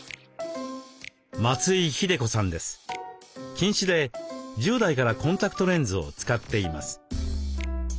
近視で１０代からコンタクトレンズを使っています。